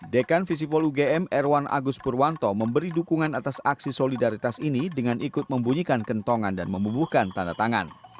dekan visipol ugm erwan agus purwanto memberi dukungan atas aksi solidaritas ini dengan ikut membunyikan kentongan dan memubuhkan tanda tangan